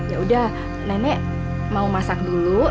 ya udah nenek mau masak dulu